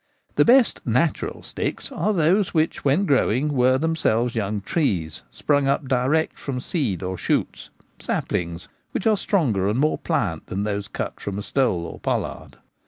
The Cutting Walking sticks. 135 best ' natural ' sticks are those which when growing were themselves young trees, sprung up direct from seed or shoots — saplings, which are stronger and more pliant than those cut from a stole or pollard.